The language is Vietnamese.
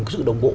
sự đồng bộ